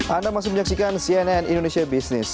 anda masih menyaksikan cnn indonesia business